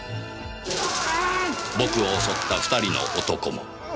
僕を襲った２人の男も。